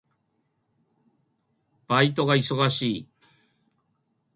バイトが忙しい。